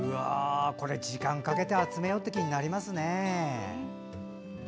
これ、時間をかけて集めようって気になりますね。